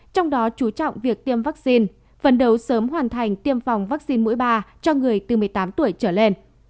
trong đó chú trọng việc tiêm vaccine phần đầu sớm hoàn thành tiêm phòng vaccine mũi ba cho người từ một mươi tám tuổi trở lên